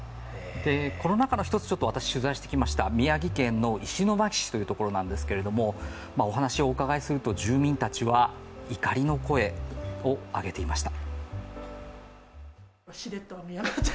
この中の１つ、私、取材してきました、宮城県の石巻市というところなんですが、お話をお伺いすると住民たちは怒りの声を上げていました。